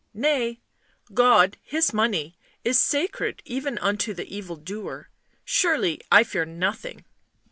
"Nay; God His money is sacred even unto the evildoer. Surely I fear nothing."